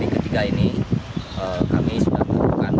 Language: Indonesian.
ketiga ini kami sudah mengumpulkan